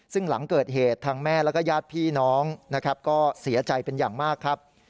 ซึ่งหลังเกิดเหตุทางแม่แล้วก็ญาติพี่น้องนะครับก็เสียใจเป็นอย่างมากครับ